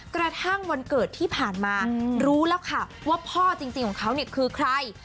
แท้ถ้างวันเกิดที่ผ่านมารู้แล้วว่าพ่อจริงของเขาคือใคร